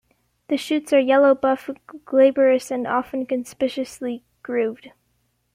The shoots are yellow-buff, glabrous, and often conspicuously grooved.